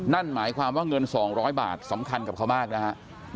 นั่นหมายความว่าเงิน๒๐๐บาทสำคัญกับเขามากนะฮะ